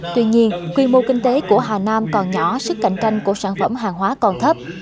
tuy nhiên quy mô kinh tế của hà nam còn nhỏ sức cạnh tranh của sản phẩm hàng hóa còn thấp